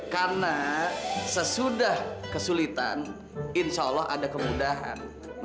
karena sesudah kesulitan insya allah ada kemudahan